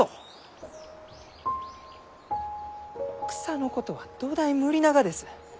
草のことはどだい無理ながです。